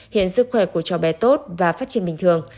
hiện sức khỏe của cháu bé tốt và phát triển bình thường